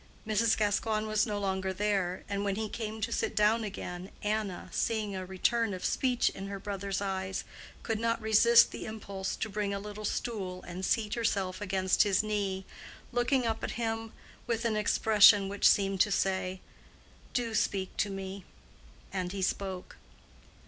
Mrs. Gascoigne was no longer there, and when he came to sit down again, Anna, seeing a return of speech in her brother's eyes, could not resist the impulse to bring a little stool and seat herself against his knee, looking up at him with an expression which seemed to say, "Do speak to me." And he spoke.